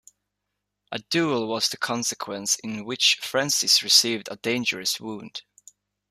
A duel was the consequence, in which Francis received a dangerous wound.